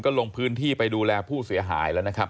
ก็ลงพื้นที่ไปดูแลผู้เสียหาย